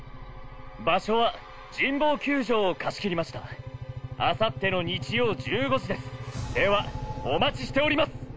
場所は神保球場を貸し切りましたあさっての日曜１５時ですではお待ちしております